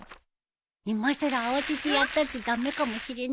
いまさら慌ててやったって駄目かもしれないけど